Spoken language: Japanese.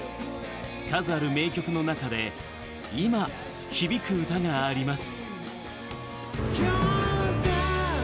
数ある名曲の中で今、響く歌があります。